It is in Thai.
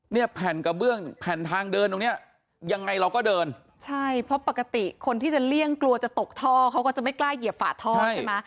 เนี่ยแผ่นกระเบื้องแผ่นทางเดินตรงเนี้ยยังไงเราก็เดินใช่เพราะปกติคนที่จะเลี่ยงกลัวจะตกท่อเขาก็จะไม่กล้าเหยียบฝาท่อใช่ไหม